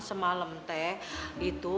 semalem teh itu